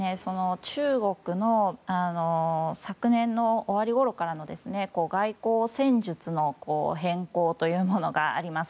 これは中国の昨年の終わりごろからの外交戦術の変更というものがあります。